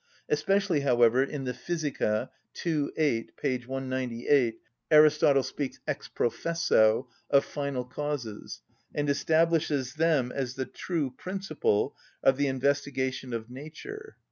Especially, however, in the "Physica," ii. 8, p. 198, Aristotle speaks ex professo of final causes, and establishes them as the true principle of the investigation of nature.